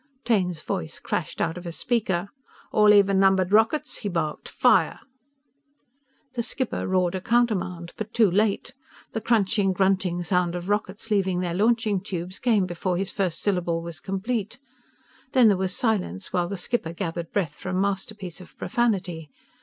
Taine's voice crashed out of a speaker: "All even number rockets," he barked. "Fire!" The skipper roared a countermand, but too late. The crunching, grunting sound of rockets leaving their launching tubes came before his first syllable was complete. Then there was silence while the skipper gathered breath for a masterpiece of profanity.